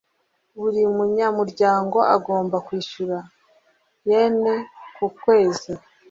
Buri munyamuryango agomba kwishyura , yen ku kwezi